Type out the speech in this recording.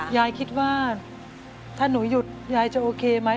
ยายคิดว่าถ้าหนูหยุดยายจะโอเคไหม